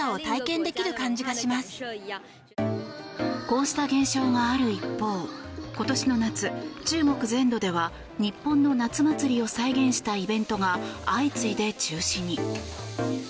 こうした現象がある一方今年の夏、中国全土では日本の夏祭りを再現したイベントが相次いで中止に。